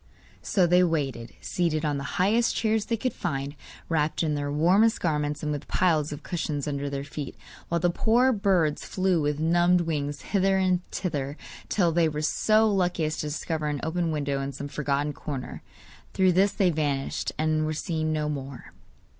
So they waited, seated on the highest chairs they could find, wrapped in their warmest garments, and with piles of cushions under their feet, while the poor birds flew with numbed wings hither and thither, till they were so lucky as to discover an open window in some forgotten corner. Through this they vanished, and were seen no more.